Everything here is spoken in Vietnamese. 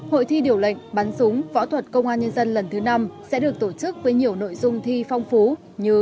hội thi điều lệnh bắn súng võ thuật công an nhân dân lần thứ năm sẽ được tổ chức với nhiều nội dung thi phong phú như